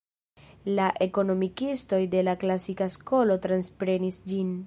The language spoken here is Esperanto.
La ekonomikistoj de la klasika skolo transprenis ĝin.